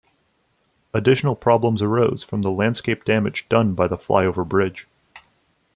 Additional problems arose from the landscape damage done by the flyover bridge.